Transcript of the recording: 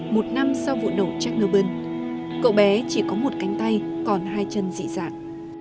một năm sau vụ nổ chernobyl cậu bé chỉ có một cánh tay còn hai chân dị dạng